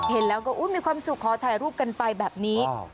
เห็นแล้วก็มีความสุขขอถ่ายรูปกันไปแบบนี้